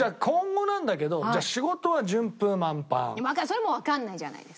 それもわからないじゃないですか。